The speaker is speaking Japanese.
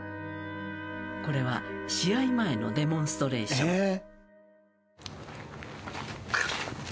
［これは試合前のデモンストレーション］